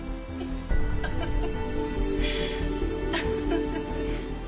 フフフフ。